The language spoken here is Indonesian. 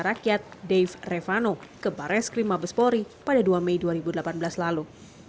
rakyat dave revano ke bares krim mabespori pada dua mei dua ribu delapan belas lalu